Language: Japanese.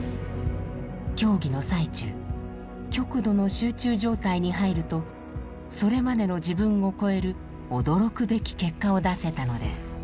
競技の最中極度の集中状態に入るとそれまでの自分をこえる驚くべき結果を出せたのです。